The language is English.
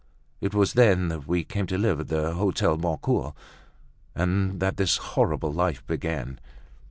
It was then that we came to live at the Hotel Boncoeur, and that this horrible life began."